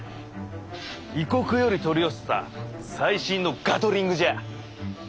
異国より取り寄せた最新のガトリングじゃ。